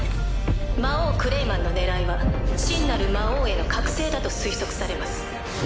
魔王クレイマンの狙いは真なる魔王への覚醒だと推測されます。